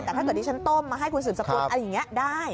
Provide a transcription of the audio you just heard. แต่ถ้าเกิดดิฉันต้มมาให้คุณสืบสกุลอะไรอย่างนี้ได้